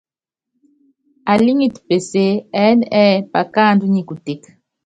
Alíŋiti pesée, ɛɛ́n ɛ́ɛ́ akáandú nyi kuteke.